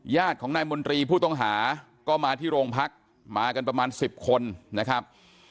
ญาติของนายมนตรีผู้ต้องหาก็มาที่โรงพักมากันประมาณ๑๐คนนะครับ